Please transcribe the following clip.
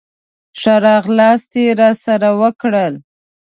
ښه راغلاست یې راسره وکړل.